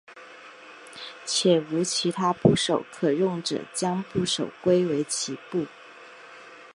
且无其他部首可用者将部首归为齐部。